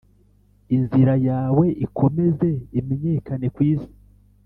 Inzira yawe ikomeze imenyekane ku isi